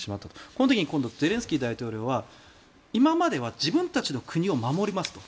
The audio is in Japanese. この時に今度ゼレンスキー大統領は今までは自分たちの国を守りますと。